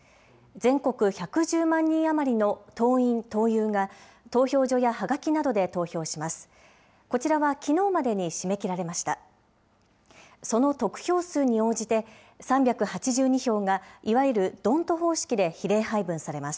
全国１１０万人余りの党員・党友が、投票所やはがきなどで投票します。